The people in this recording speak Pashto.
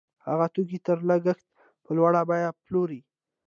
هغه توکي تر لګښت په لوړه بیه پلوري